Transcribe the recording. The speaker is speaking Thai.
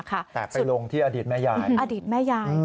แตกไปลงที่อดิตแม่ยาย